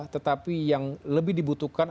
tetapi yang lebih dibutuhkan